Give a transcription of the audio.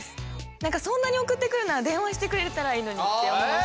何かそんなに送ってくるなら電話してくれたらいいのにって思うし。